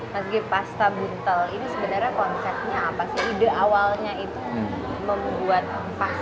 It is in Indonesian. mas gib pasta buntol ini sebenarnya konsepnya apa sih